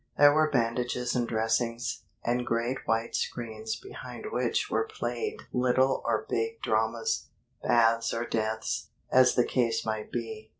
There were bandages and dressings, and great white screens behind which were played little or big dramas, baths or deaths, as the case might be.